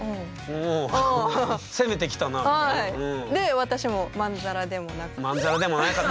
で私もまんざらでもなく。